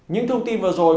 những thông tin vừa rồi